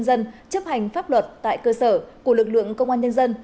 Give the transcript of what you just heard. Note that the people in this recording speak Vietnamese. công an nhân dân chấp hành pháp luật tại cơ sở của lực lượng công an nhân dân